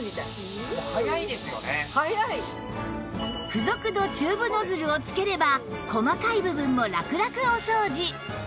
付属のチューブノズルをつければ細かい部分もラクラクお掃除